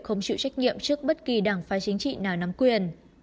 không chịu trách nhiệm trước bất kỳ đảng phái chính trị nào nắm quyền